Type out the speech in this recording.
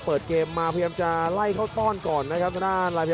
เปิดเกมมาพยายามจะไล่เข้าต้อนก่อนนะครับ